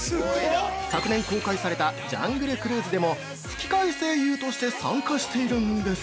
昨年公開された「ジャングル・クルーズ」でも吹き替え声優として参加しているんです！